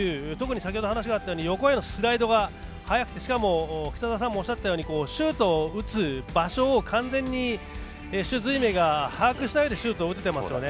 先ほど話があったように横へのスライドが速くて北澤さんもおっしゃるようにシュートを打つ場所を完全に朱瑞銘が把握したようにシュートを打てていますよね。